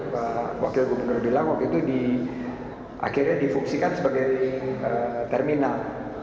pak wakil gubernur bilang waktu itu akhirnya difungsikan sebagai terminal